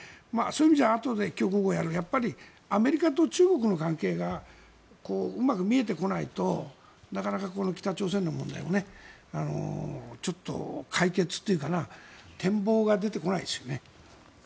そういう意味じゃ、今日午後やるアメリカと中国の関係がうまく見えてこないとなかなか、この北朝鮮の問題もちょっと解決というか展望が出てこないですね。